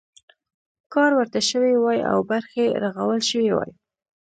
کار ورته شوی وای او برخې رغول شوي وای.